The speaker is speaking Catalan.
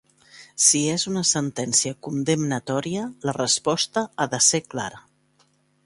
Si és una sentència condemnatòria, la resposta ha de ser clara.